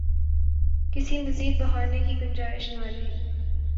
کسی مزید بہانے کی گنجائش نہ رہی۔